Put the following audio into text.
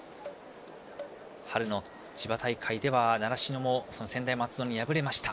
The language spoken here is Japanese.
春の千葉大会では習志野も専大松戸に敗れました。